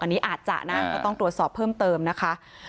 อันนี้อาจจะนะก็ต้องตรวจสอบเพิ่มเติมนะคะ